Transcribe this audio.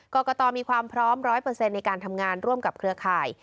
กรกตมีความพร้อม๑๐๐ในการทำงานร่วมกับเครือข่าย